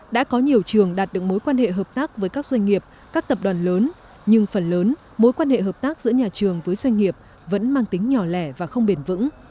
đã có nhiều trường đạt được mối quan hệ hợp tác với các doanh nghiệp các tập đoàn lớn nhưng phần lớn mối quan hệ hợp tác giữa nhà trường với doanh nghiệp vẫn mang tính nhỏ lẻ và không bền vững